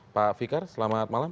pak fikar selamat malam